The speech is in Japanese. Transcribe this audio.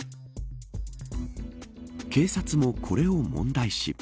警察もこれを問題視。